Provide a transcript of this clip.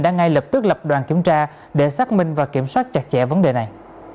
đã ngay lập tức lập đoàn kiểm tra để xác minh và kiểm soát chặt chẽ vấn đề này